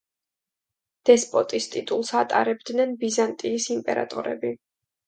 დესპოტის ტიტულს ატარებდნენ ბიზანტიის იმპერატორები.